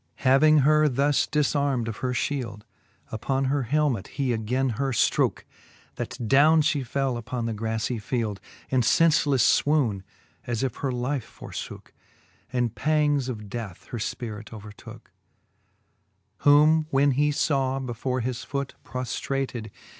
Having her thus difarmed of her fhield, Uppon her helmet he againe her ftrooke, • That downe fhe fell uppon the graffie field, In fenceleiTe fwoune, as if her life forfboke, And pangs of death her fpirit ovcrtooke. Whom when he faw before his foote proftrated